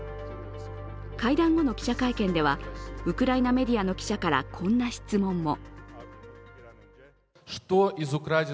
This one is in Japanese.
会談後の記者会見では、ウクライナメディアの記者からこんな質問も。